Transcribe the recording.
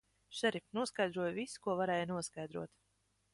Šerif, noskaidroju visu, ko varēja noskaidrot.